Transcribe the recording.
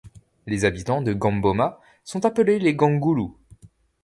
Les habitants de Gamboma sont appelés les Gangoulous.